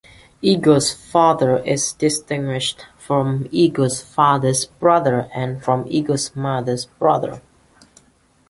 Ego's father is distinguished from Ego's father's brother and from Ego's mother's brother.